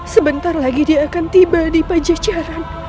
sebentar lagi dia akan tiba di pajajaran